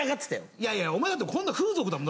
いやいやお前だってこんなの風俗だもん。